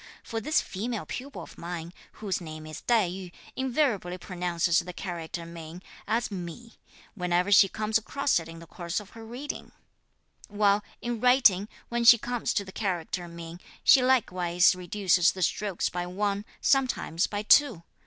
for this female pupil of mine, whose name is Tai yü, invariably pronounces the character min as mi, whenever she comes across it in the course of her reading; while, in writing, when she comes to the character 'min,' she likewise reduces the strokes by one, sometimes by two.